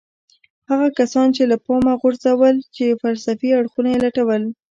هغه کسان يې له پامه وغورځول چې فلسفي اړخونه يې لټول.